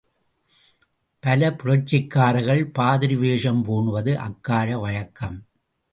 பல புரட்சிக்கார்கள் பாதிரிவேஷம் பூணுவது அக்கால வழக்கம்.